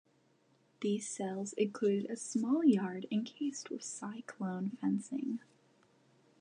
These cells included a small yard encased with cyclone fencing.